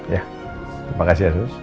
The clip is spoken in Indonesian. ya terima kasih ya sus